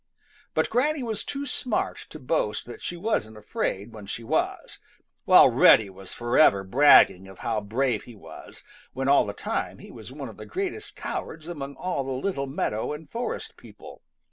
But Granny was too smart to boast that she wasn't afraid when she was, while Reddy was forever bragging of how brave he was, when all the time he was one of the greatest cowards among all the little meadow and forest people.